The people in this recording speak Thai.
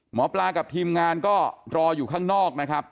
หมอปลากับทีมงานก็รออยู่ข้างนอกนะครับ